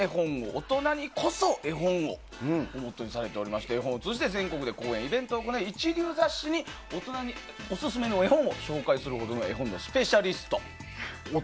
大人にこそ絵本を。」をモットーにされておりまして全国で講演やイベントを行い一流雑誌に大人にオススメの絵本を紹介するほどの絵本のスペシャリスト。